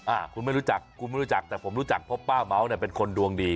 อ่าคุณไม่รู้จักคุณไม่รู้จักแต่ผมรู้จักเพราะป้าเม้าเนี่ยเป็นคนดวงดี